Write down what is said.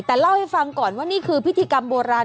แต่เล่าให้ฟังก่อนว่านี่คือพิธีกรรมโบราณ